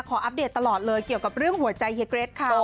ขออัปเดตตลอดเลยเกี่ยวกับเรื่องหัวใจเฮเกรต์ครับ